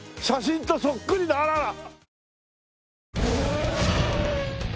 写真とそっくりだあらら。